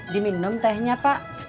di minum tehnya pak